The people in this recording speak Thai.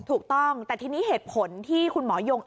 ถูกต้องแต่ทีนี้เหตุผลที่คุณหมอยง